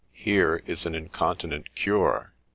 — here is an incontinent cure